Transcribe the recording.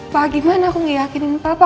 pak gimana aku gak yakinin papa